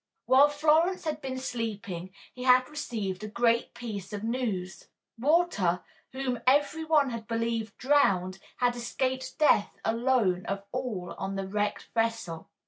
While Florence had been sleeping he had received a great piece of news: Walter, whom every one had believed drowned, had escaped death alone of all on the wrecked vessel.